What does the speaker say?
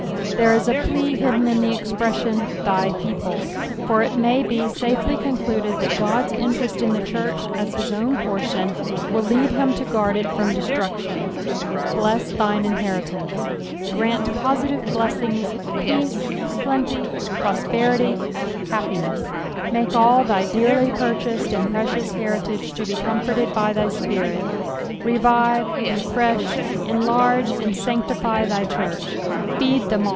There is a plea hidden in tbo expression, " thy people:" for it ma^ be safel;^ concluded that Ood's interest in the church, as his own portion, will lead him to guard it from destruction. "Bleu thine inherUanee." Grant positive blessing peace, plenty, prosperity, happiness ; make all thy dearly purchased and precious heritage to be comforted Xthy Spirit. Kevive, refresh, enlarge and sanctify thy church. " Feed them